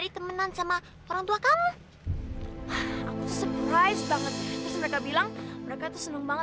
terus mereka bilang mereka tuh seneng banget